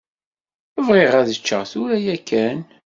Bɣiɣ ad ččeɣ tura ya kan.